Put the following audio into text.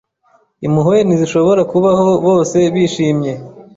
impuhwe ntizishobora kubaho bose bishimye